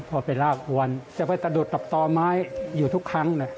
พอไปลากอวนจะไปสะดุดกับต่อไม้อยู่ทุกครั้งนะ